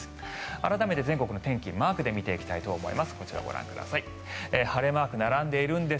改めて全国の天気マークで見ていきたいと思います